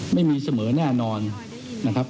ไม่มีเสมอแน่นอนนะครับ